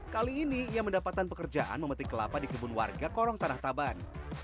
kali ini ia mendapatkan pekerjaan memetik kelapa di kebun warga korong tanah taban